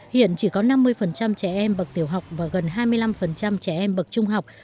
hiện chỉ có năm mươi trẻ em bậc tiểu học và gần hai mươi năm trẻ em bậc trung học